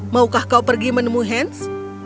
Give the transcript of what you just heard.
maukah kau pergi menemu hans